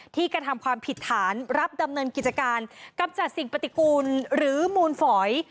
กระทำความผิดฐานรับดำเนินกิจการกำจัดสิ่งปฏิกูลหรือมูลฝอย